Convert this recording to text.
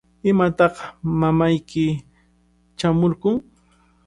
¿Imaytaq mamayki chaamurqun?